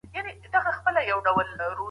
اولسي ماهیت درلود، نو ناکام سول.